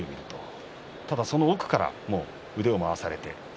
ただその奥から腕を回されました。